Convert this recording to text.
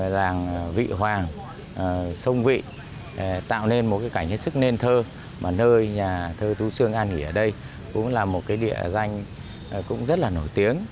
ràng vị hoàng sông vị tạo nên một cái cảnh hết sức nền thơ mà nơi nhà thơ tú xương an hỷ ở đây cũng là một cái địa danh cũng rất là nổi tiếng